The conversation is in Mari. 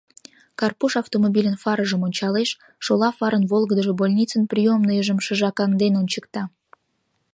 Карпуш автомобильын фарыжым ончалеш: шола фарын волгыдыжо больницын приёмныйжым шыжакаҥден ончыкта.